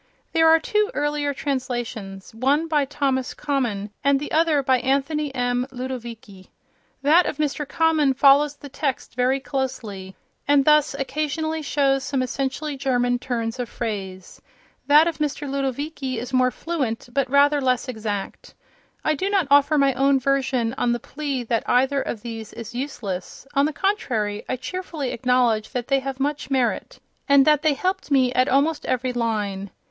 There are two earlier translations, one by Thomas Common and the other by Anthony M. Ludovici. That of Mr. Common follows the text very closely, and thus occasionally shows some essentially German turns of phrase; that of Mr. Ludovici is more fluent but rather less exact. I do not offer my own version on the plea that either of these is useless; on the contrary, I cheerfully acknowledge that they have much merit, and that they helped me at almost every line.